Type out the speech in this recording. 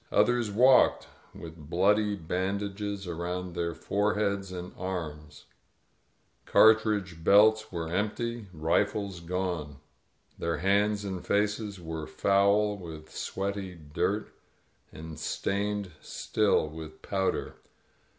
Others walked, with bloody bandages around their foreheads and arms. Cartridge belts 99 INSURGENT MEXICO were empty, rifles gone. Their hands and faces were foul with sweaty dirt and stained still with powder.